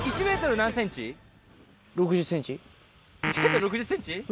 １ｍ６０ｃｍ？